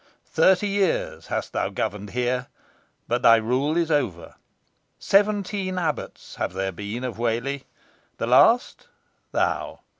Thirty years hast thou governed here, but thy rule is over. Seventeen abbots have there been of Whalley the last thou!